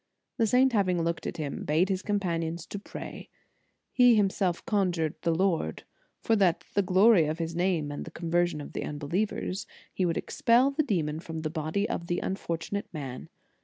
The saint, having looked at him, bade his companions to pray. He himself conjured the Lord, that for the glory of His name, and the conversion of the unbelievers, He would expel the demon from the body of the unfor tunate man.